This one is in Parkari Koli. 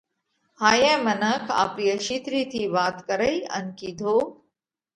هائِيئہ منک آپرِي اشِيترِي نئہ وات ڪرئِي ان ڪِيڌو: